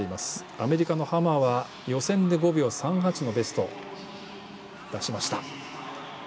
アメリカのハマーは予選で５秒３８のベストを出しました。